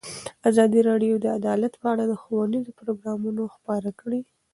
ازادي راډیو د عدالت په اړه ښوونیز پروګرامونه خپاره کړي.